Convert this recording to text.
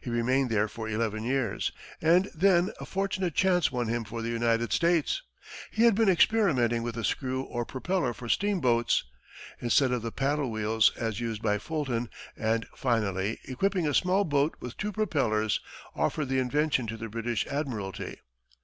He remained there for eleven years, and then a fortunate chance won him for the United States. He had been experimenting with a screw or propeller for steamboats, instead of the paddle wheels as used by Fulton, and finally, equipping a small boat with two propellers, offered the invention to the British admiralty.